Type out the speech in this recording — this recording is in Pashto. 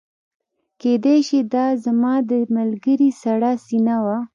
کیدای شي دا زما د ملګري سړه سینه وه